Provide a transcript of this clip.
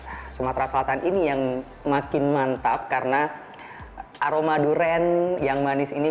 khas sumatera selatan ini yang makin mantap karena aroma durian yang manis ini